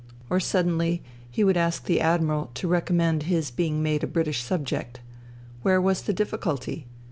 " Or suddenly he would ask the Admiral to recommend his being made a British subject. Where was the difficulty